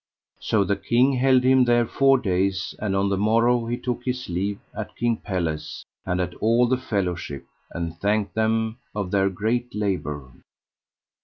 So the king held him there four days, and on the morrow he took his leave at King Pelles and at all the fellowship, and thanked them of their great labour.